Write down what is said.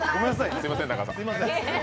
すみません、仲さん。